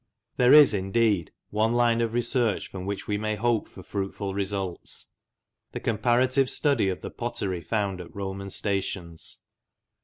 There is, indeed, one line of research from which we may hope for fruitful results the comparative study of the pottery found at Roman stations.